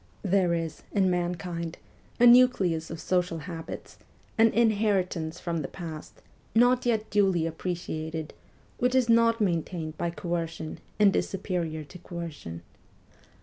There is, in mankind, a nucleus of social habits, an inheritance from the past, not yet duly appreciated, which is not maintained by coercion and is superior to coercion.